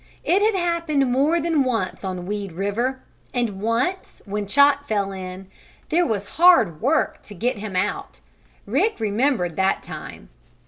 It had happened more than once on Weed River, and once, when Chot fell in, there was hard work to get him out. Rick remembered that time.